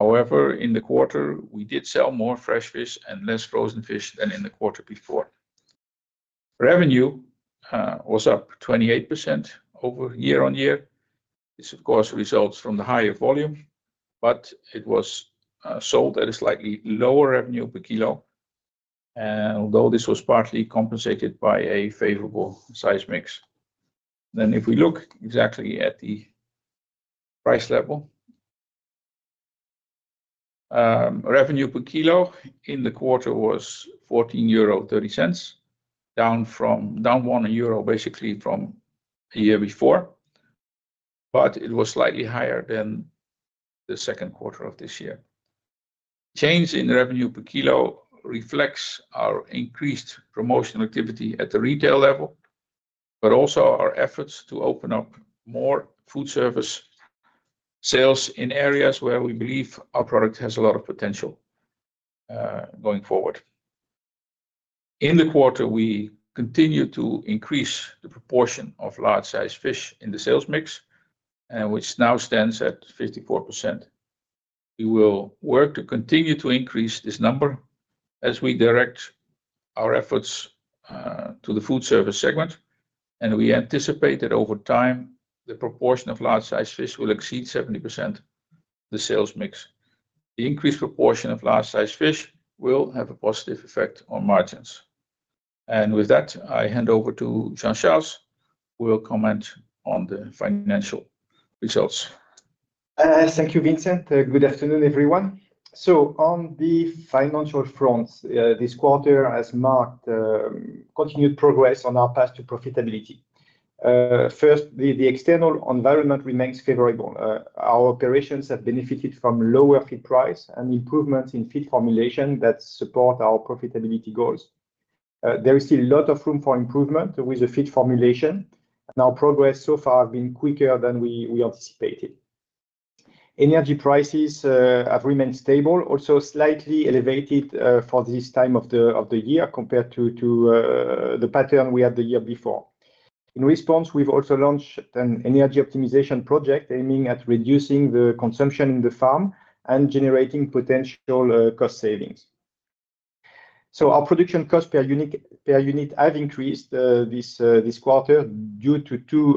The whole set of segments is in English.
However, in the quarter, we did sell more fresh fish and less frozen fish than in the quarter before. Revenue was up 28% over year-on-year. This of course results from the higher volume, but it was sold at a slightly lower revenue per kilo, although this was partly compensated by a favorable size mix, then if we look exactly at the price level, revenue per kilo in the quarter was 14.30 euro, down from one euro basically from a year before, but it was slightly higher than the second quarter of this year. Change in revenue per kilo reflects our increased promotional activity at the retail level, but also our efforts to open up more foodservice sales in areas where we believe our product has a lot of potential, going forward. In the quarter, we continue to increase the proportion of large-sized fish in the sales mix, which now stands at 54%. We will work to continue to increase this number as we direct our efforts, to the foodservice segment, and we anticipate that over time the proportion of large-sized fish will exceed 70% of the sales mix. The increased proportion of large-sized fish will have a positive effect on margins. And with that, I hand over to Jean-Charles, who will comment on the financial results. Thank you, Vincent. Good afternoon, everyone. So, on the financial front, this quarter has marked continued progress on our path to profitability. First, the external environment remains favorable. Our operations have benefited from lower feed price and improvements in feed formulation that support our profitability goals. There is still a lot of room for improvement with the feed formulation, and our progress so far has been quicker than we anticipated. Energy prices have remained stable, also slightly elevated, for this time of the year compared to the pattern we had the year before. In response, we've also launched an energy optimization project aiming at reducing the consumption in the farm and generating potential cost savings. So, our production cost per unit have increased this quarter due to two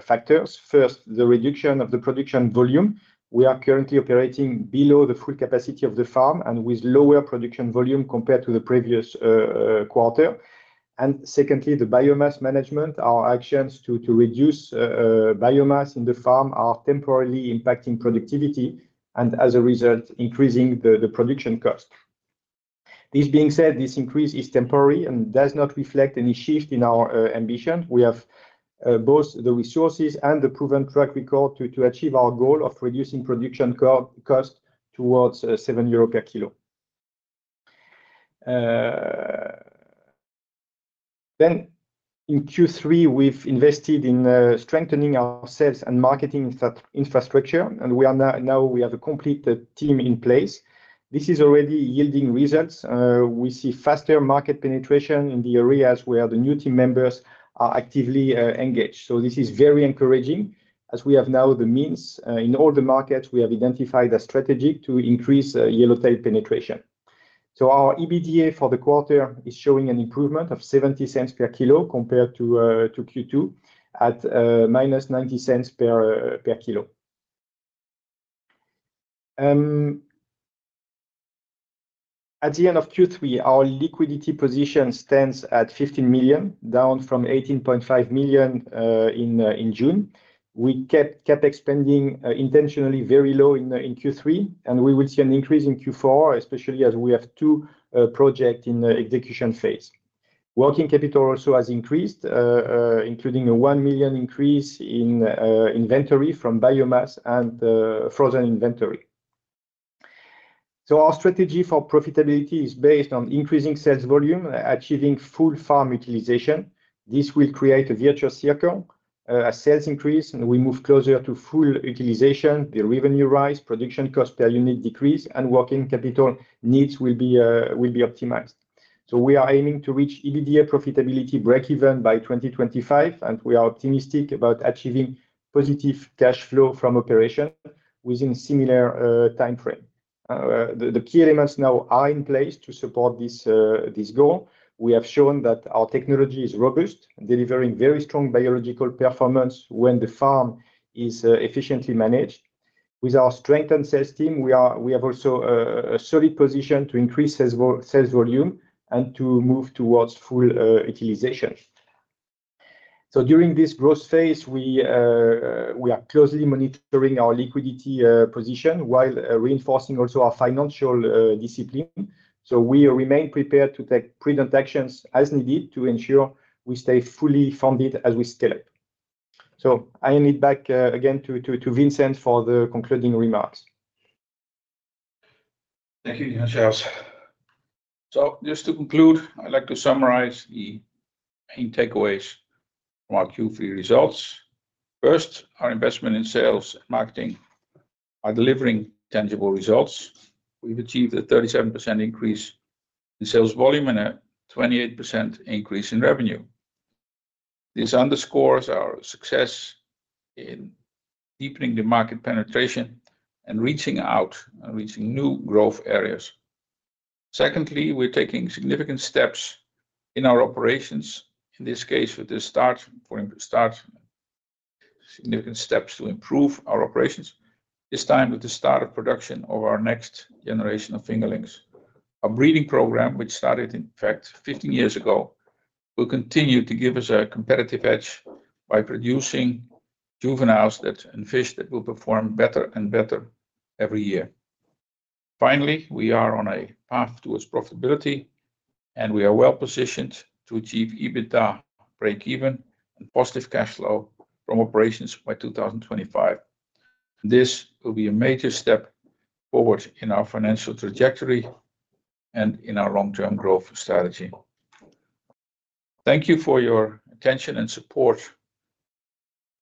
factors. First, the reduction of the production volume. We are currently operating below the full capacity of the farm and with lower production volume compared to the previous quarter. Secondly, the biomass management, our actions to reduce biomass in the farm are temporarily impacting productivity and, as a result, increasing the production cost. This being said, this increase is temporary and does not reflect any shift in our ambition. We have both the resources and the proven track record to achieve our goal of reducing production cost towards 7 euro per kilo. Then in Q3, we've invested in strengthening our sales and marketing infrastructure, and we are now we have a complete team in place. This is already yielding results. We see faster market penetration in the areas where the new team members are actively engaged. So, this is very encouraging as we have now the means, in all the markets we have identified as strategic, to increase Yellowtail penetration. So, our EBITDA for the quarter is showing an improvement of 0.70 per kilo compared to Q2 at minus 0.90 per kilo. At the end of Q3, our liquidity position stands at 15 million, down from 18.5 million in June. We kept CapEx spending intentionally very low in Q3, and we will see an increase in Q4, especially as we have two projects in the execution phase. Working capital also has increased, including a 1 million increase in inventory from biomass and frozen inventory. So, our strategy for profitability is based on increasing sales volume, achieving full farm utilization. This will create a virtuous circle, a sales increase, and we move closer to full utilization. The revenue rise, production cost per unit decrease, and working capital needs will be optimized. So, we are aiming to reach EBITDA profitability breakeven by 2025, and we are optimistic about achieving positive cash flow from operation within a similar time frame. The key elements now are in place to support this goal. We have shown that our technology is robust, delivering very strong biological performance when the farm is efficiently managed. With our strengthened sales team, we have also a solid position to increase sales volume and to move towards full utilization. So, during this growth phase, we are closely monitoring our liquidity position while reinforcing also our financial discipline. So, we remain prepared to take prudent actions as needed to ensure we stay fully funded as we scale up. So, I hand it back again to Vincent for the concluding remarks. Thank you, Jean-Charles. So, just to conclude, I'd like to summarize the main takeaways from our Q3 results. First, our investment in sales and marketing are delivering tangible results. We've achieved a 37% increase in sales volume and a 28% increase in revenue. This underscores our success in deepening the market penetration and reaching out and reaching new growth areas. Secondly, we're taking significant steps in our operations, this time with the start of production of our next generation of fingerlings. Our breeding program, which started in fact 15 years ago, will continue to give us a competitive edge by producing juveniles and fish that will perform better and better every year. Finally, we are on a path towards profitability, and we are well positioned to achieve EBITDA breakeven and positive cash flow from operations by 2025. This will be a major step forward in our financial trajectory and in our long-term growth strategy. Thank you for your attention and support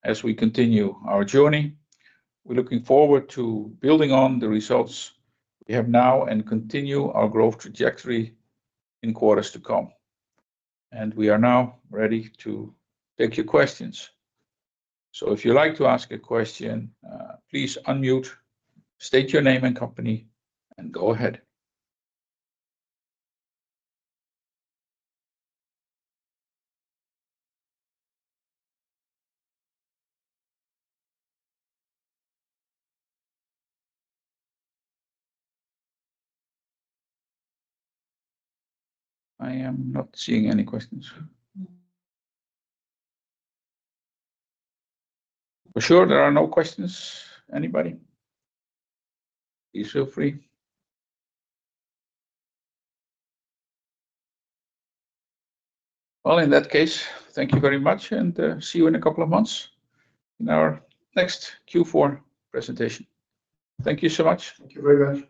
as we continue our journey. We're looking forward to building on the results we have now and continue our growth trajectory in quarters to come. And we are now ready to take your questions. So, if you'd like to ask a question, please unmute, state your name and company, and go ahead. I am not seeing any questions. For sure, there are no questions. Anybody? Please feel free. Well, in that case, thank you very much, and see you in a couple of months in our next Q4 presentation. Thank you so much. Thank you very much.